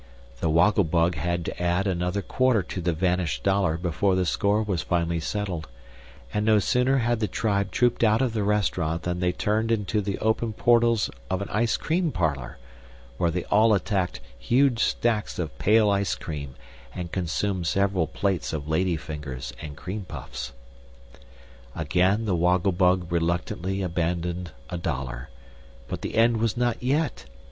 The Woggle Bug had to add another quarter to the vanished dollar before the score was finally settled; and no sooner had the tribe trooped out restaurant than they turned into the open portals of an Ice Cream Parlor, where they all attacked huge stacks of pale ice cream and consumed several plates of lady fingers and cream puffs. Again the Woggle Bug reluctantly abandoned a dollar; but the end was not yet.